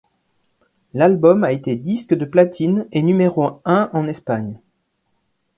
L'album a été Disque de Platine et numéro un en Espagne.